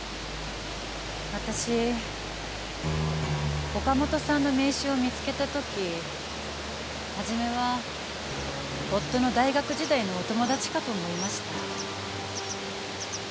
私岡本さんの名刺を見つけた時初めは夫の大学時代のお友達かと思いました。